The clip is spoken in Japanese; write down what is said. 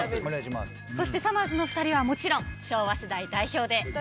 そしてさまぁずの２人はもちろん昭和世代代表で。